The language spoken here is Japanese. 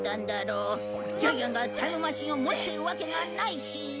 ジャイアンがタイムマシンを持ってるわけがないし。